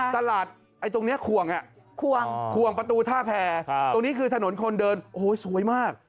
ตลาดไอ้ตรงนี้ควงควงประตูท่าแผ่ตรงนี้คือถนนคนเดินโอ้ยสวยมาก